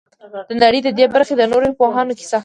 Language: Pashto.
د نړۍ د دې برخې د نورو پوهانو کیسه.